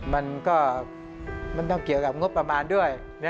มันก็มันต้องเกี่ยวกับงบประมาณด้วย